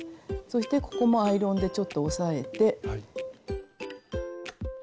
そしてここもアイロンでちょっと押さえて。